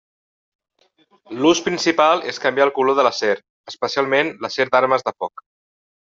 L'ús principal és canviar el color de l'acer, especialment l'acer d'armes de foc.